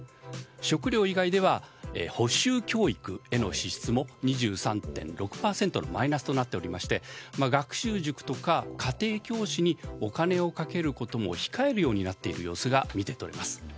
食料以外では補習教育への支出も２３．６％のマイナスとなっておりまして学習塾とか家庭教師にお金をかけることも控えるようになっている様子がうかがえます。